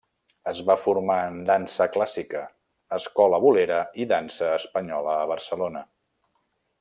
Es va formar en dansa clàssica, escola bolera i dansa espanyola a Barcelona.